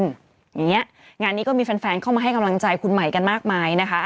อย่างนี้งานนี้ก็มีแฟนเข้ามาให้กำลังใจคุณใหม่กันมากมายนะคะ